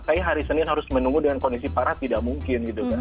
kayaknya hari senin harus menunggu dengan kondisi parah tidak mungkin gitu kan